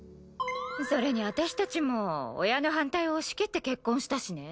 それに私たちも親の反対を押し切って結婚したしね。